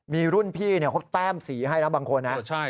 มีรุ่นพี่เขาแต้มสีให้นะบางคนนะ